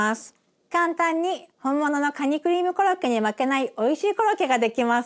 簡単に本物のカニクリームコロッケに負けないおいしいコロッケが出来ます。